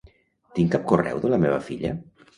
Tinc cap correu de la meva filla?